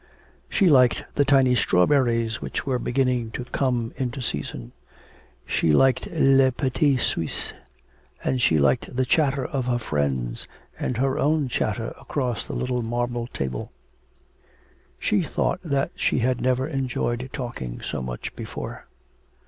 She liked the tiny strawberries which were beginning to come into season; she liked les petites suisses; and she liked the chatter of her friends, and her own chatter across the little marble table. She thought that she had never enjoyed talking so much before.